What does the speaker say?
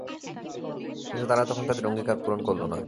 কিন্তু তারা তখন তাদের অঙ্গীকার পূরণ করল না।